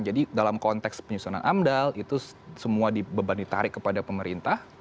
jadi dalam konteks penyusunan amdal itu semua beban ditarik kepada pemerintah